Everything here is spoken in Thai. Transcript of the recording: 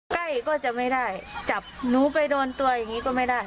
ใกล้ก็จะไม่ได้จับหนูไปโดนตัวอย่างนี้ก็ไม่ได้